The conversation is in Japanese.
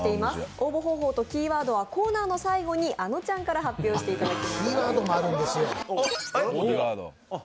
応募方法とキーワードはコーナーの最後にあのちゃんから発表していただきますあっあれ？